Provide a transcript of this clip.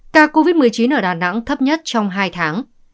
ca covid một mươi chín ở đà nẵng thấp nhất trong hai tháng